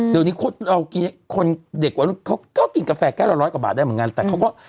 เดี๋ยวนี้คนเด็กกว่านี้เขาก็กินกาแฟแก้วละร้อยกว่าบาทได้เหมือนกัน